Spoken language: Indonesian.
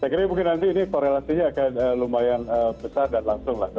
saya kira mungkin nanti ini korelasinya akan lumayan besar dan langsung lah